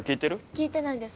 聞いてないです